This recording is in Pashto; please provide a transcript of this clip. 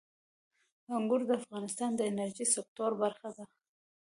انګور د افغانستان د انرژۍ د سکتور برخه ده.